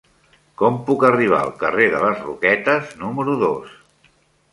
Com puc arribar al carrer de les Roquetes número dos?